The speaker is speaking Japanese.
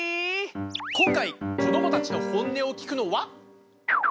今回、子どもたちのホンネを聞くのは？